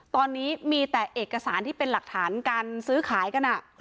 ตอนนี้มีแต่เอกสารที่เป็นหลักฐานการซื้อขายกัน